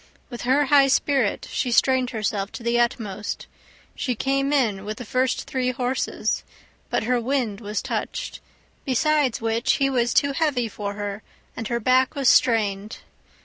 With her high spirit, she strained herself to the utmost; she came in with the first three horses, but her wind was touched, besides which he was too heavy for her, and her back was strained.